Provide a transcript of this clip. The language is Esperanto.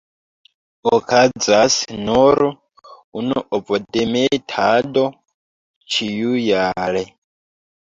Okazas nur unu ovodemetado ĉiujare.